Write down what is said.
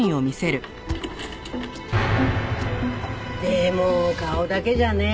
でも顔だけじゃね。